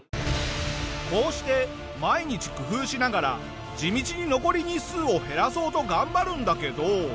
こうして毎日工夫しながら地道に残り日数を減らそうと頑張るんだけど。